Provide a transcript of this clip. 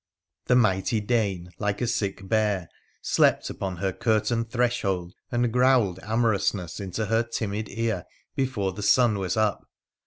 The mighty Dane, like a sick bear, slept upon her curtained threshold and growled amorousness into her timid ear before the sun was up.